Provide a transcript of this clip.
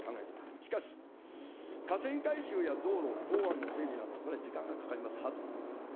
しかし、河川改修や道路、港湾の整備など、これは時間がかかります、ハードの部分。